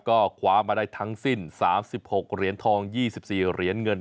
ก็คว้ามาได้ทั้งสิ้น๓๖เหรียญทอง๒๔เหรียญเงิน